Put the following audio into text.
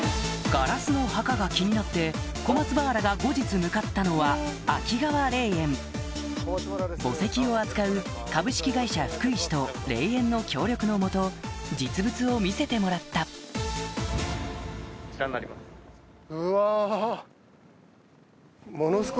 ガラスの墓が気になってコマツバーラが後日向かったのは墓石を扱う株式会社フクイシと霊園の協力の下実物を見せてもらったうわ。